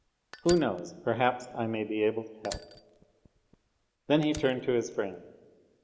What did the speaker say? Who knows? perhaps I may be able to help." Then he turned to his friend.